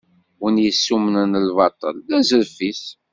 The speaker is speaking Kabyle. Win yessummlen lbaṭel, d azref-is.